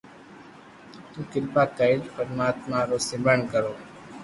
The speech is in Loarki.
تو ڪرپا ڪرين پرماتما رو سمرن ڪرو